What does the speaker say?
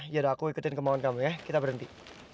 ya udah aku ikutin kemauan kamu ya kita berhenti